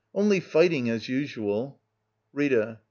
] Only fighting — as usual. Rita.